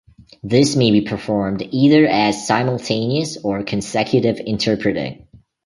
This may be performed either as simultaneous or consecutive interpreting.